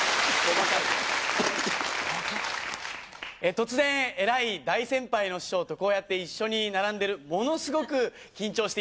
突然偉い大先輩の師匠とこうやって一緒に並んでるものすごく緊張しています。